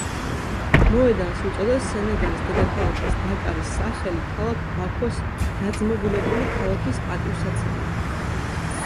მოედანს უწოდეს სენეგალის დედაქალაქის დაკარის სახელი ქალაქ ბაქოს დაძმობილებული ქალაქის პატივსაცემად.